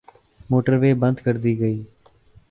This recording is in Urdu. موٹروے بند کردی گئی۔